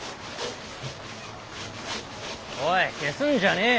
おい消すんじゃねえよ。